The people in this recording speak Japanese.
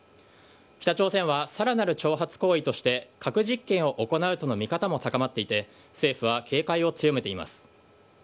北朝鮮はさらなる挑発行為として核実験を行うとの見方も高まっていて政府は警戒を強めています。